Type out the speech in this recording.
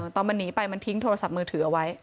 ตอนมันหนีไปมันทิ้งโทรศัพท์มือถือเอาไว้